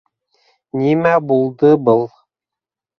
Нимә булды был?